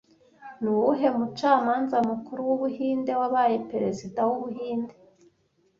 Ni uwuhe mucamanza mukuru w’Ubuhinde wabaye Perezida w’Ubuhinde